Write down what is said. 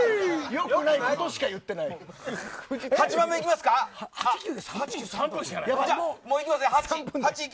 よくないことしか言ってない。